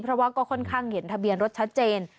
เพราะว่าก็ค่อนข้างเห็นทะเบียนรถชัดเจน